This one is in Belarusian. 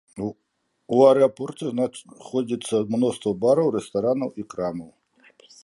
У аэрапорце знаходзіцца мноства бараў, рэстаранаў і крамаў.